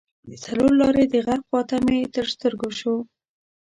د څلور لارې د غرب خواته مې تر سترګو شو.